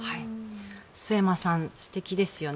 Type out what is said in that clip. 陶山さん素敵ですよね。